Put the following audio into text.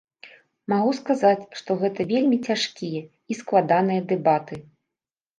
Магу сказаць, што гэта вельмі цяжкія і складаныя дэбаты.